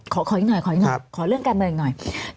ขออีกหน่อยขอเรื่องการเมืองอีกหน่อย